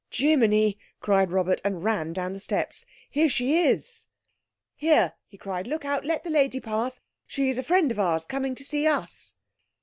"Jimminy!" cried Robert, and ran down the steps, "here she is!" "Here!" he cried, "look out—let the lady pass. She's a friend of ours, coming to see us."